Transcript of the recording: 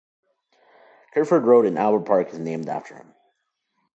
Kerferd Road in Albert Park is named after him.